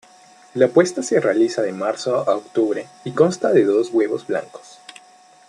La puesta se realiza de marzo a octubre y consta de dos huevos blancos.